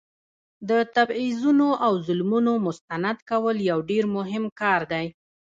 د تبعیضونو او ظلمونو مستند کول یو ډیر مهم کار دی.